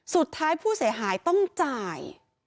สุดท้ายผู้เสียหายต้องจ่าย